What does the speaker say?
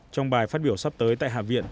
trong bài phát biểu sắp tới tại hạ viện